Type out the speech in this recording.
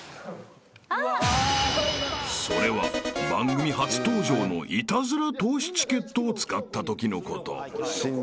［それは番組初登場のイタズラ透視チケットを使ったときのこと］